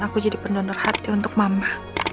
aku jadi pendonor hati untuk mama